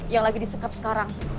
yang lagi di sekap sekarang